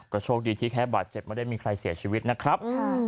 ก็โชคดีที่แค่บาดเจ็บไม่ได้มีใครเสียชีวิตนะครับ